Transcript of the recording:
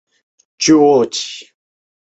知名人物夏川里美出身于此岛。